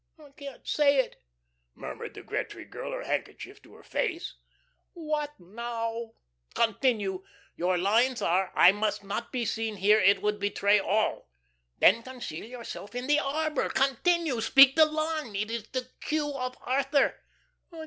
"I can't say it," murmured the Gretry girl, her handkerchief to her face. "What now? Continue. Your lines are 'I must not be seen here. It would betray all,' then conceal yourself in the arbor. Continue. Speak the line. It is the cue of Arthur."